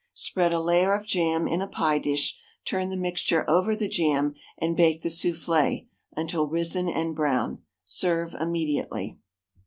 Spread a layer of jam in a pie dish, turn the mixture over the jam, and bake the soufflé until risen and brown. Serve immediately.